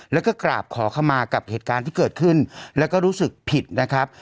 แล้วก็กราบขอเข้ามากับเหตุการณ์ที่เกิดขึ้นแล้วก็รู้สึกผิดนะครับ